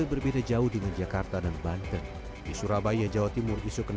bbm jenis pertalite habis